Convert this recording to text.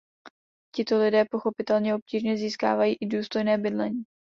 Tito lidé pochopitelně obtížně získávají i důstojné bydlení.